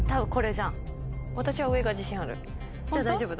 じゃあ大丈夫だ。